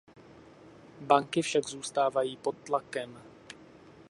Banky však zůstávají pod tlakem.